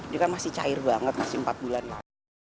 dia kan masih cair banget masih empat bulan lagi